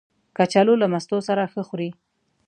کچالو له مستو سره ښه خوري